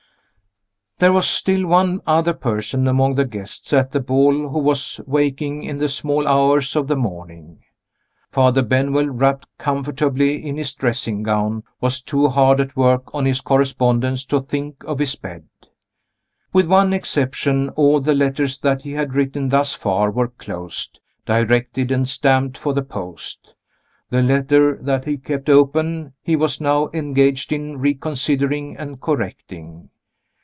There was still one other person among the guests at the ball who was waking in the small hours of the morning. Father Benwell, wrapped comfortably in his dressing gown, was too hard at work on his correspondence to think of his bed. With one exception, all the letters that he had written thus far were closed, directed and stamped for the post. The letter that he kept open he was now engaged in reconsidering and correcting.